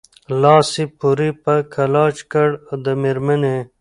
لاس یې پوري په علاج کړ د مېرمني